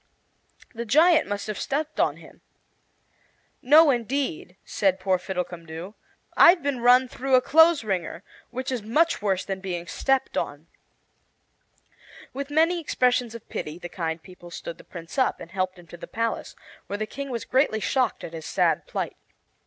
"The giant must have stepped on him." "No, indeed," said poor Fiddlecumdoo, "I've been run through a clothes wringer, which is much worse than being stepped on." With many expressions of pity the kind people stood the Prince up and helped him to the palace, where the King was greatly shocked at his sad plight.